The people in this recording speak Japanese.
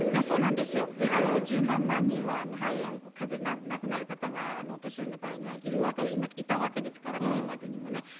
そうなんですよ、十何万人は肺炎かぜで亡くなる方がお年寄りの場合はいたわけですから、これまでにもね。